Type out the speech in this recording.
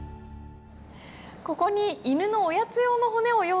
ここに犬のおやつ用の骨を用意しました。